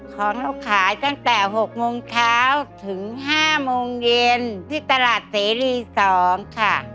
ของเราขายตั้งแต่๖โมงเช้าถึง๕โมงเย็นที่ตลาดเสรี๒ค่ะ